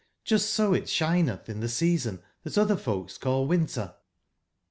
7ust so it sbinetb in tbe season tbatotber folks call win ter*' J?